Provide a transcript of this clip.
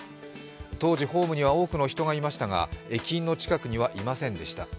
当時、ホームには多くの人がいましたが駅員の近くにはいませんでした。